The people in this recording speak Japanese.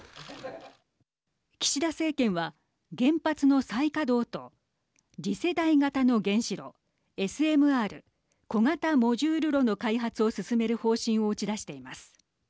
岸田政権は原発の再稼働と次世代型の原子炉ＳＭＲ＝小型モジュール炉の開発を進める方針を打ち出しています。